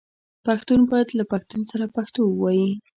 پښتون باید له پښتون سره پښتو ووايي